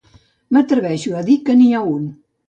M'atreveixo a dir que n'hi ha un.